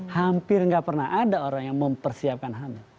hampir nggak pernah ada orang yang mempersiapkan hamil